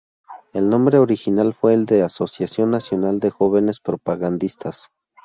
El nombre original fue el de Asociación Nacional de Jóvenes Propagandistas.